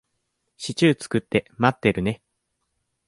シチュー作って待ってるね。